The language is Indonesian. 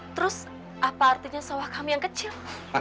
terus apa artinya sawah kami yang kecil